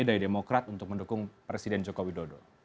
dari demokrat untuk mendukung presiden jokowi dodo